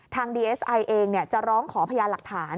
ดีเอสไอเองจะร้องขอพยานหลักฐาน